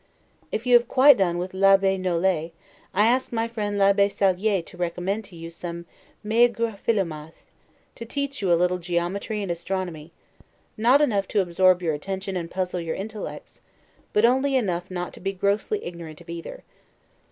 If you have quite done with l'Abbes Nolet, ask my friend l'Abbe Sallier to recommend to you some meagre philomath, to teach you a little geometry and astronomy; not enough to absorb your attention and puzzle your intellects, but only enough not to be grossly ignorant of either.